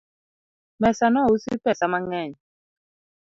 Mesa nousi pesa mang'eny